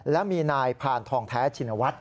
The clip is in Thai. และมีนายพานทองแท้ชินวัฒน์